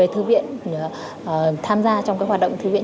tham gia trong hoạt động thư viện